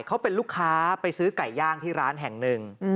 เขาเป็นลูกค้าไปซื้อไก่ย่างที่ร้านแห่งหนึ่ง